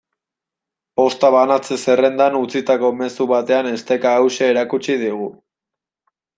Posta banatze-zerrendan utzitako mezu batean esteka hauxe erakutsi digu.